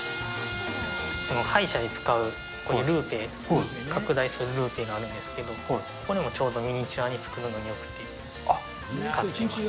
歯医者で使うこういうルーペ、拡大するルーペがあるんですけど、こういうのもちょうどミニチュアを作るのによくて、使っています。